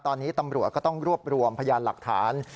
ตอนนี้ตำรวจก็ต้องรวบรวมพยานหลักฐาน